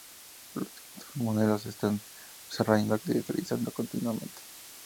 Por lo tanto, estos modelos se están desarrollando y actualizando continuamente.